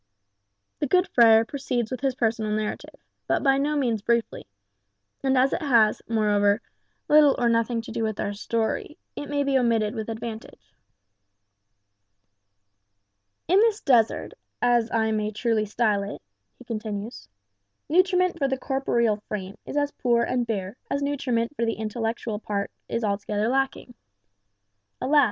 (The good friar proceeds with his personal narrative, but by no means briefly; and as it has, moreover, little or nothing to do with our story, it may be omitted with advantage.) "In this desert, as I may truly style it" (he continues), "nutriment for the corporeal frame is as poor and bare as nutriment for the intellectual part is altogether lacking. Alas!